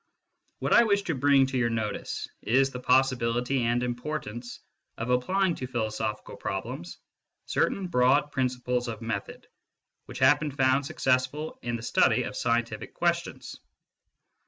What I wish to bring to your notice is the possibility and importance of applying to philosophical problems certain broad principles of method which have been found successful in the study of scientific questions.